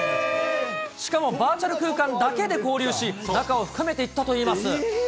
しかもバーチャル空間だけで交流し、仲を深めていったといいます。